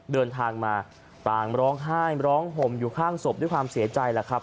เดินทางมาต่างร้องไห้ร้องห่มอยู่ข้างศพด้วยความเสียใจแล้วครับ